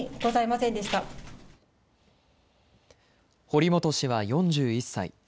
堀本氏は４１歳。